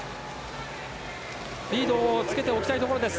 リードをつけておきたいところです